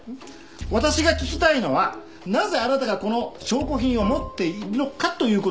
私が聞きたいのはなぜあなたがこの証拠品を持っているのかという事です。